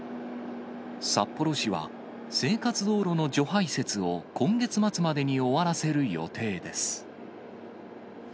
札幌市は生活道路の除排雪を今月末までに終わらせる予定です。